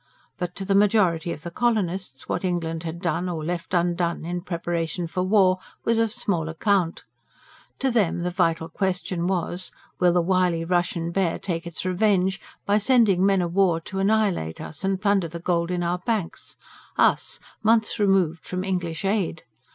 But to the majority of the colonists what England had done, or left undone, in preparation for war, was of small account. To them the vital question was: will the wily Russian Bear take its revenge by sending men of war to annihilate us and plunder the gold in our banks us, months removed from English aid?